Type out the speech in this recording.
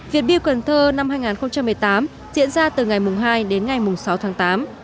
việt build cần thơ năm hai nghìn một mươi tám diễn ra từ ngày hai đến ngày sáu tháng tám